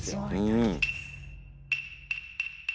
うん。